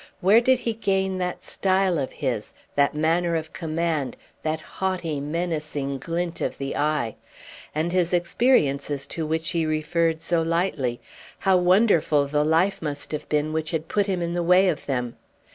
Where did he gain that style of his, that manner of command, that haughty menacing glint of the eye? And his experiences to which he referred so lightly, how wonderful the life must have been which had put him in the way of them!